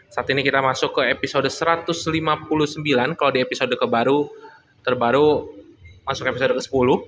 saat ini kita masuk ke episode satu ratus lima puluh sembilan kalau di episode kebaru terbaru masuk episode ke sepuluh